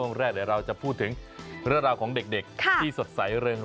นะจะพูดถึง